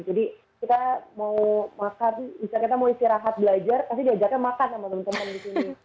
jadi kita mau makan bisa kita mau istirahat belajar pasti diajaknya makan sama teman teman di sini